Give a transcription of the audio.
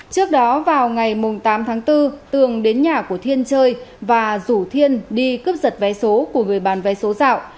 trước đó vào ngày tám tháng bốn tường đến nhà của thiên chơi và rủ thiên đi cướp giật vé số của người bán vé số dạo